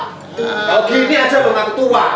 kalau gini aja lo nggak ketua